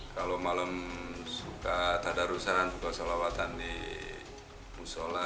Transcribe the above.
kalau malam suka tanda rusaran suka selawatan di musola